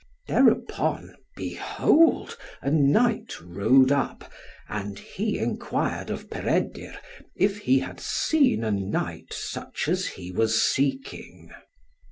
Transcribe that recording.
Thereupon, behold a knight rode up, and he enquired of Peredur, if he had seen a knight such as he was seeking.